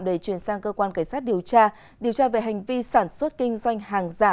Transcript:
để chuyển sang cơ quan cảnh sát điều tra điều tra về hành vi sản xuất kinh doanh hàng giả